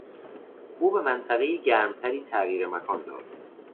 او به منطقهی گرمتری تغییر مکان داد.